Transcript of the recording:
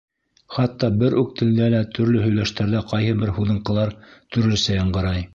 Хатта бер үк телдә лә төрлө һөйләштәрҙә ҡайһы бер һуҙынҡылар төрлөсә яңғырай.